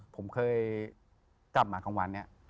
ผมเคยกลับมาทางวันนี้